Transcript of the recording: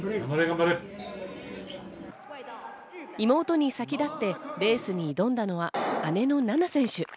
妹に先立ってレースに挑んだのは姉の菜那選手。